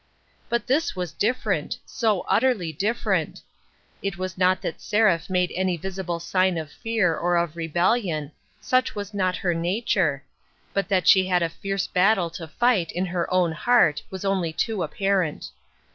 But this was different — so utterly different. It was not that Seraph made any visible sign of fear, or of rebellion ; such was not her nature ; but BELATED WORK. 239 that she had a fierce battle to fight in her own heart was only too apparent.